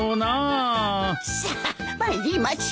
さっ参りましょ。